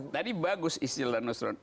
tadi bagus istilah nusron